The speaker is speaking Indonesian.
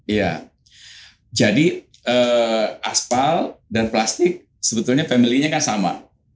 iya jadi aspal dan plastik sebetulnya family nya kan sama